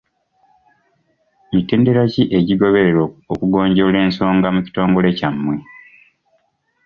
Mitendera ki egigobererwa okugonjoola ensonga mu kitongole kyammwe?